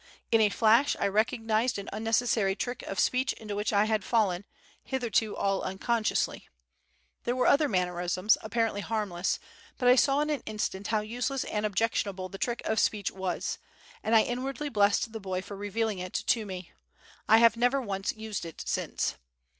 In a flash I recognized an unnecessary trick of speech into which I had fallen, hitherto all unconsciously. There were other mannerisms, apparently harmless, but I saw in an instant how useless and objectionable the trick of speech was; and I inwardly blessed the boy for revealing it to me. I have never once used it since.